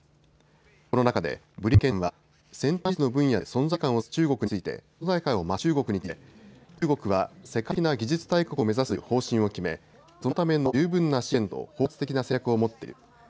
この中でブリンケン長官は先端技術の分野で存在感を示す中国について存在感を増す中国について中国は世界的な技術大国を目指すという方針を決めそのための十分な資源と包括的な戦略を持っている。